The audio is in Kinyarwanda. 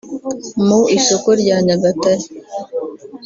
Mu isoko rya Nyagatare